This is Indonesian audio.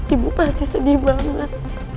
ibu pasti sedih banget